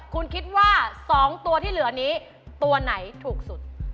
คุณคิดว่า๒ตัวที่เหลือนี้ตัวไหนถูกสุด